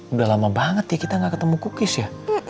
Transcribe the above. udah lama banget ya kita gak ketemu cookies ya